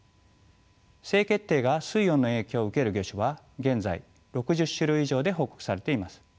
性決定が水温の影響を受ける魚種は現在６０種類以上で報告されています。